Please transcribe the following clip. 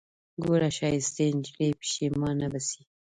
ګوره ښايستې نجلۍ پښېمانه به سې